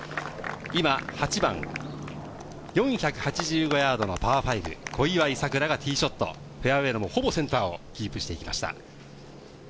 今、８番、４８５ヤードのパー５。小祝さくらがティーショット、フェアウエーのほぼセンターをキープしていきました。